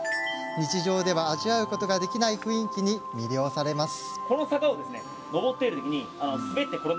日常では味わえない雰囲気に魅了されます。